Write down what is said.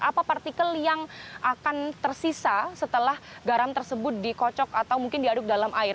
apa partikel yang akan tersisa setelah garam tersebut dikocok atau mungkin diaduk dalam air